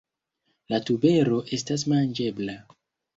La tubero estas manĝebla.